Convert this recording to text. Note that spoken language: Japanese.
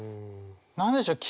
何でしょう？